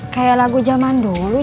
kayak lagu zaman dulu